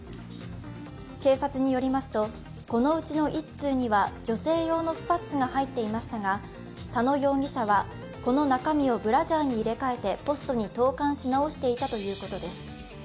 警察によりますと、このうちの１通には女性用のスパッツが入っていましたが、佐野容疑者はこの中身をブラジャーに入れ替えてポストに投函し直していたということです。